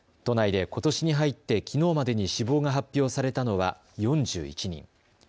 都内でことしに入ってきのうまでに死亡が発表されたのは４１人。